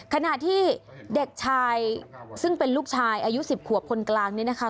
ขณะที่เด็กชายซึ่งเป็นลูกชายอายุ๑๐ขวบคนกลางนี้นะคะ